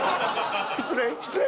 失礼。